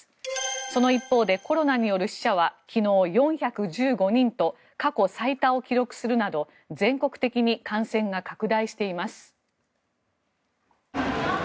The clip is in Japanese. その一方で、コロナによる死者は昨日、４１５人と過去最多を記録するなど全国的に感染が拡大しています。